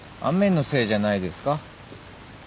雨のせいじゃないですか？